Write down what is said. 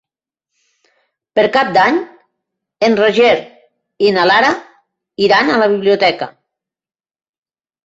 Per Cap d'Any en Roger i na Lara iran a la biblioteca.